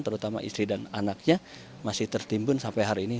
terutama istri dan anaknya masih tertimbun sampai hari ini